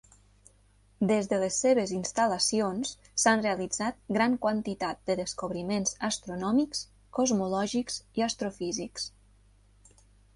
Des de les seves instal·lacions s'han realitzat gran quantitat de descobriments astronòmics, cosmològics i astrofísics.